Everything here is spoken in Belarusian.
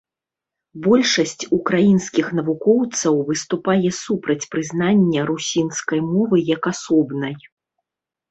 Большасць украінскіх навукоўцаў выступае супраць прызнання русінскай мовы як асобнай.